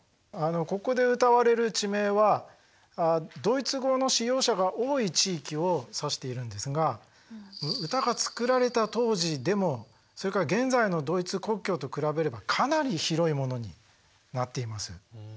ここで歌われる地名はドイツ語の使用者が多い地域を指しているんですが歌が作られた当時でもそれから現在のドイツ国境と比べればかなり広いものになっています。